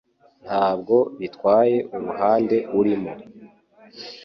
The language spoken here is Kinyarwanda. Ntabwo bitwaye uruhande urimo